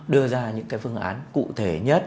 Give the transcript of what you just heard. đưa ra những cái phương án cụ thể nhất